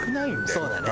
「そうだね」